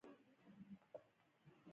علم د رڼا په څیر دی .